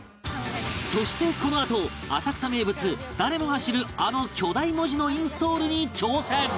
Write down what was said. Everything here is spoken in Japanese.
そしてこのあと浅草名物誰もが知るあの巨大文字のインストールに挑戦！